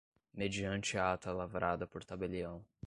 mediante ata lavrada por tabelião